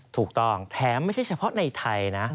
ถูกต้องแถมไม่ใช่เฉพาะในไทยนะ